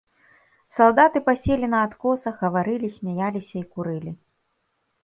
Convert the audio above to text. Салдаты паселі на адкосах, гаварылі, смяяліся і курылі.